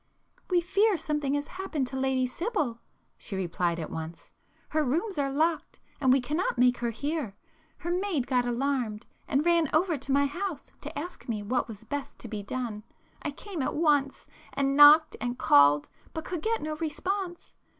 "We fear something has happened to Lady Sibyl,"—she replied at once—"Her rooms are locked, and we cannot make her hear. Her maid got alarmed, and ran over to my house to ask me what was best to be done,—I came at once, and knocked and called, but could get no response.